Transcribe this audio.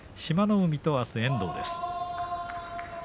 海とあす遠藤です。